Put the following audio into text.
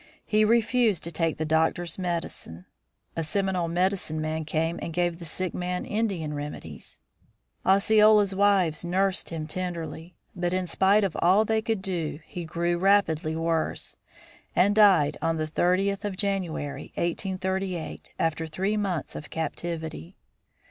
He refused to take the doctor's medicine. A Seminole medicine man came and gave the sick man Indian remedies. Osceola's wives nursed him tenderly, but in spite of all they could do he grew rapidly worse and died on the thirtieth of January, 1838, after three months of captivity.